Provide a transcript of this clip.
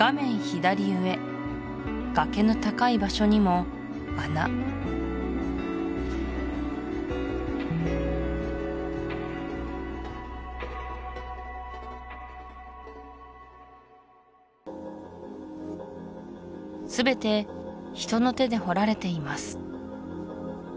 左上崖の高い場所にも穴全て人の手で掘られています